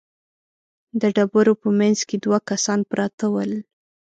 د ډبرو په مينځ کې دوه کسان پراته ول.